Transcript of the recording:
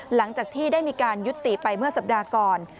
หลังจากที่ได้มีการยุติไปเมื่อสัปดาห์ก่อน